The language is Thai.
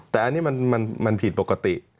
แต่อันนี้มันผิดปกติ